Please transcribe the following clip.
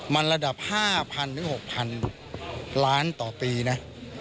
มันระดับ๕๐๐๐หรือ๖๐๐๐ล้านบาทต่อปีนะ